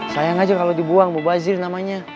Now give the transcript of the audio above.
sayang aja kalau dibuang mbak wazir namanya